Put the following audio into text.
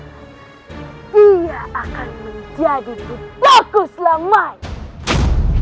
kalau dia akan menjadi butuhku selamanya